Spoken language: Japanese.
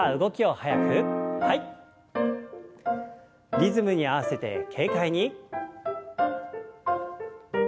リズムに合わせて軽快に。